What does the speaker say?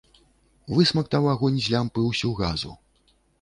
Высмактаў агонь з лямпы ўсю газу.